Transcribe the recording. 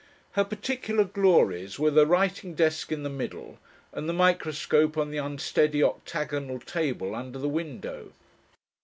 Her particular glories were the writing desk in the middle and the microscope on the unsteady octagonal table under the window.